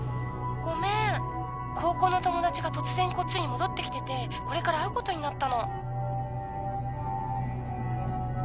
ごめん高校の友達が突然こっちに戻ってきててこれから会うことになったの